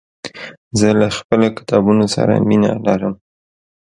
زه له خپلو کتابونو سره مينه لرم.